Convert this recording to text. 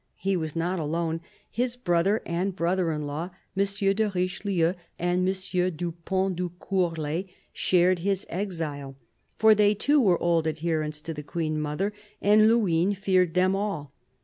He was not alone. His brother and brother in law, M. de Richelieu and M, du Pont de Courlay, shared his exile, for they too were old adherents of the Queen mother, and Luynes feared them all.